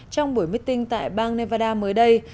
trong buổi meeting tại bang nevada mới đây